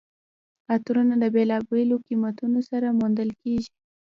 عطرونه د بېلابېلو قیمتونو سره موندل کیږي.